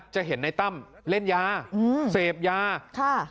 จะเห็นในตั้มเล่นยาเสพยา